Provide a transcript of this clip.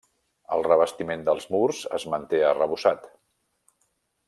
El revestiment dels murs es manté arrebossat.